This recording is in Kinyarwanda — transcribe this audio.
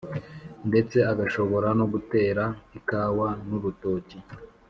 ndetse agashobora no gutera ikawa n’urutoki.